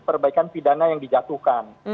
perbaikan pidana yang dijatuhkan